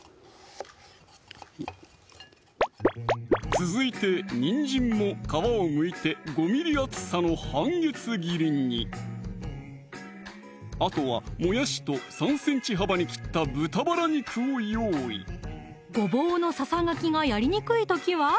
続いてにんじんも皮をむいて５ｍｍ厚さの半月切りにあとはもやしと３ｃｍ幅に切った豚バラ肉を用意ごぼうのささがきがやりにくい時は？